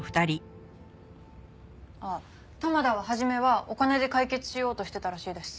あっ玉田は初めはお金で解決しようとしてたらしいです。